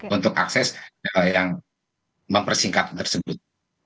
untuk akses yang mempersingkat tersebut